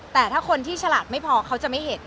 แต่ถ้าคนที่ฉลาดไม่พอเขาจะไม่เห็น